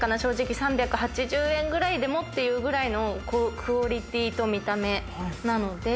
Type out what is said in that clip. ３８０円くらいでもというくらいのクオリティーと見た目なので。